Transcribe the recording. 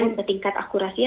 dan ketingkat akurasinya